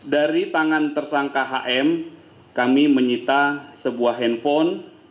dari tangan tersangka hm kami menyita sebuah handphone